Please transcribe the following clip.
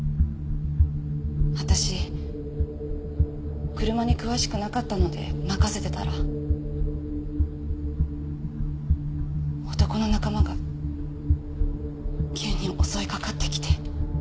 私車に詳しくなかったので任せてたら男の仲間が急に襲いかかってきて。